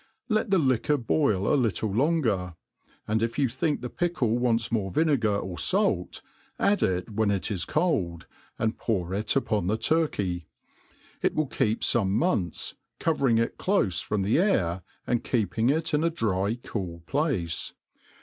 X,tt the liquor boil a little long er; and if you think the pickle wants more vinegar or fait, add it when it is cold, and pour it upon ttie turkey. It will keep fome months, covering it clofe from the air, and keeping it in a dry cool place.